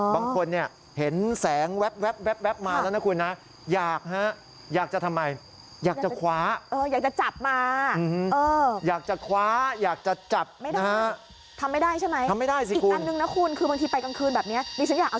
บางคนเห็นแสงแวบมาแล้วนะคุณ